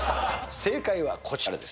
正解はこちらです。